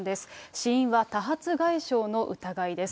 死因は多発外傷の疑いです。